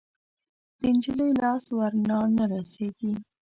د نجلۍ لاس ورڼا نه رسیږي